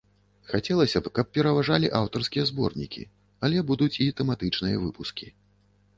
Хацелася б, каб пераважалі аўтарскія зборнікі, але будуць і тэматычныя выпускі.